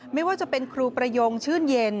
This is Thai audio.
ไม่ว่าจะเป็นครูประยงชื่นเย็น